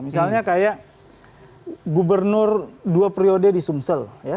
misalnya kayak gubernur dua periode di sumsel